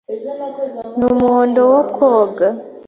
n'umuhondo wo koga